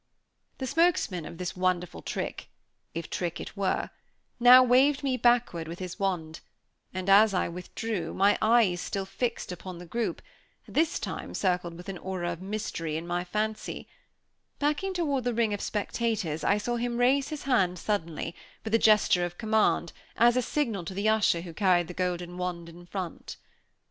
The spokesman of this wonderful trick if trick it were now waved me backward with his wand, and as I withdrew, my eyes still fixed upon the group, and this time encircled with an aura of mystery in my fancy; backing toward the ring of spectators, I saw him raise his hand suddenly, with a gesture of command, as a signal to the usher who carried the golden wand in front.